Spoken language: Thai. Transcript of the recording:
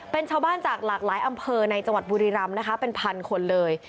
เป็นชาวบ้านจากหลากหลายอำเภอในจังหวัดบุรีรำนะคะเป็นพันคนเลย